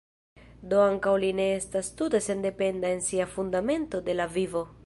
Do ankaŭ li ne estas tute sendependa en sia fundamento de la vivo.